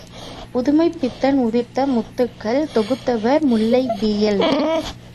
புதுமைப்பித்தன் உதிர்த்த முத்துக்கள் தொகுத்தவர் முல்லை பிஎல்.